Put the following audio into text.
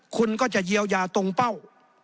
คุณก็จะเยียวยาตรงเป้า